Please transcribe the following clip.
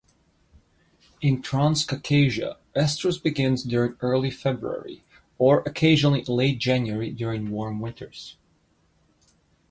In Transcaucasia, estrus begins during early February, or occasionally late January during warm winters.